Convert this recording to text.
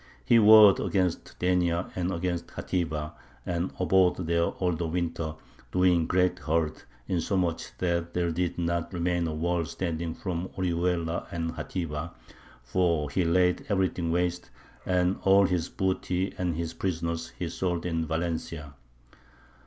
He "warred against Denia and against Xativa, and abode there all the winter, doing great hurt, insomuch that there did not remain a wall standing from Orihuela to Xativa, for he laid everything waste, and all his booty and his prisoners he sold in Valencia."